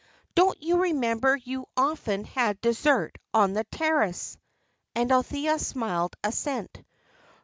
"Don't you remember you often had dessert on the terrace?" And Althea smiled assent.